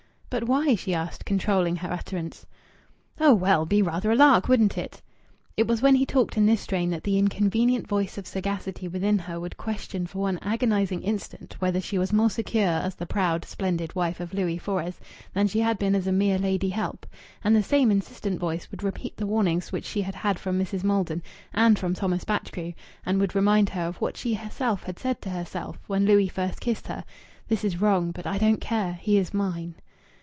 "But why?" she asked, controlling her utterance. "Oh, well! Be rather a lark, wouldn't it?" It was when he talked in this strain that the inconvenient voice of sagacity within her would question for one agonizing instant whether she was more secure as the proud, splendid wife of Louis Fores than she had been as a mere lady help. And the same insistent voice would repeat the warnings which she had had from Mrs. Maldon and from Thomas Batchgrew, and would remind her of what she herself had said to herself when Louis first kissed her "This is wrong. But I don't care. He is mine."